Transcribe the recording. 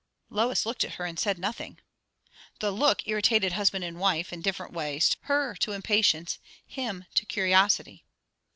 Lois looked at her, and said nothing. The look irritated husband and wife, in different ways; her to impatience, him to curiosity.